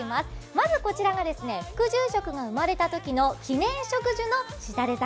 まずこちらが副住職が生まれたときの記念植樹のしだれ桜。